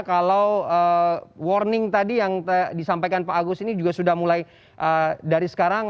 kalau warning tadi yang disampaikan pak agus ini juga sudah mulai dari sekarang